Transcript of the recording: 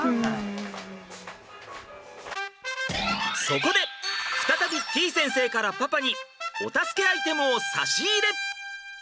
そこで再びてぃ先生からパパにお助けアイテムを差し入れ！